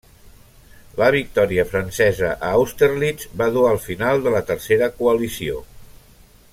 La victòria francesa a Austerlitz va dur al final de la Tercera Coalició.